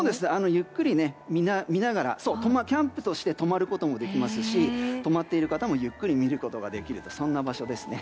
ゆっくり見ながらキャンプとして泊まることもできますし泊まっている方もゆっくり見ることができるそんな場所ですね。